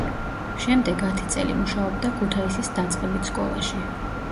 შემდეგ ათი წელი მუშაობდა ქუთაისის დაწყებით სკოლაში.